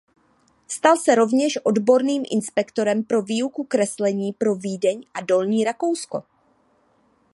Stal se rovněž odborným inspektorem pro výuku kreslení pro Vídeň a Dolní Rakousko.